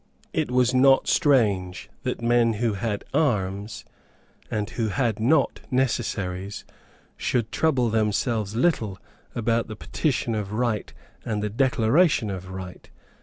It was not strange that men who had arms and who had not necessaries should trouble themselves little about the Petition of Right and the Declaration of Right.